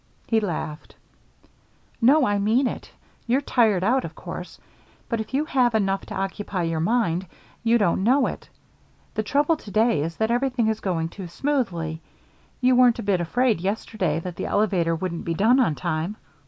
He laughed. "No, I mean it. You're tired out, of course, but if you have enough to occupy your mind, you don't know it. The trouble to day is that everything is going too smoothly. You weren't a bit afraid yesterday that the elevator wouldn't be done on time.